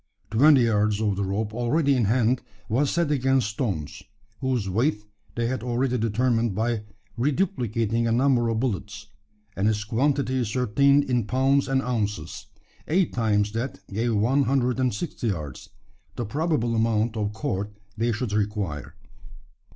Twenty yards of the rope already in hand was set against stones whose weight they had already determined by reduplicating a number of bullets and its quantity ascertained in pounds and ounces. Eight times that gave one hundred and sixty yards the probable amount of cord they should require.